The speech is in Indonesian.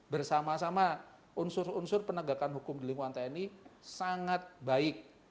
bersama sama unsur unsur penegakan hukum di lingkungan tni sangat baik